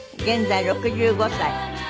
現在６５歳。